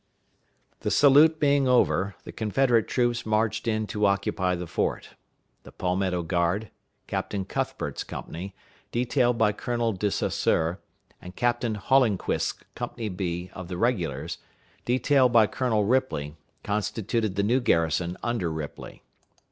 The salute being over, the Confederate troops marched in to occupy the fort. The Palmetto Guard, Captain Cuthbert's company, detailed by Colonel De Saussure, and Captain Hollinquist's Company B, of the regulars, detailed by Colonel Ripley, constituted the new garrison under Ripley.